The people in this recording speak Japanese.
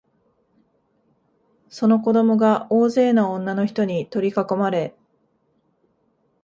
その子供が大勢の女のひとに取りかこまれ、